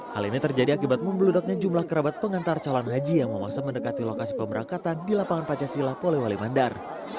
hal ini terjadi akibat membeludaknya jumlah kerabat pengantar calon haji yang memaksa mendekati lokasi pemberangkatan di lapangan pancasila polewali mandar